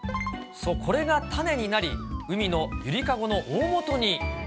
そう、これが種になり、海の揺りかごの大本に。